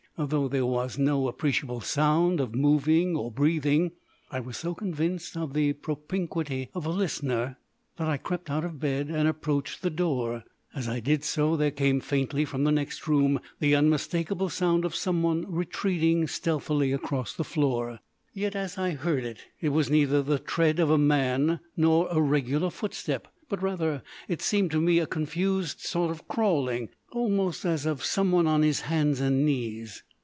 Though there was no appreciable sound of moving or breathing, I was so convinced of the propinquity of a listener that I crept out of bed and approached the door. As I did so there came faintly from the next room the unmistakable sound of someone retreating stealthily across the floor. Yet, as I heard it, it was neither the tread of a man nor a regular footstep, but rather, it seemed to me, a confused sort of crawling, almost as of someone on his hands and knees.